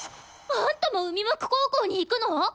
あんたも海幕高校に行くの！？